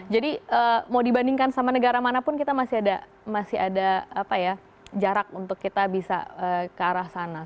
jadi mau dibandingkan sama negara manapun kita masih ada jarak untuk kita bisa ke arah sana